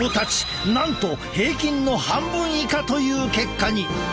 なんと平均の半分以下という結果に！